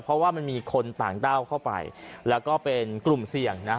เพราะว่ามันมีคนต่างด้าวเข้าไปแล้วก็เป็นกลุ่มเสี่ยงนะฮะ